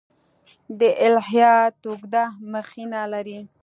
دا الهیات اوږده مخینه لري.